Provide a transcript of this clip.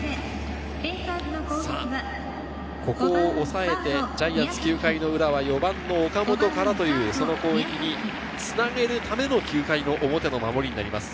ここを抑えて、ジャイアンツ、９回の裏は４番の岡本からという、その攻撃につなげるための９回の表の守りです。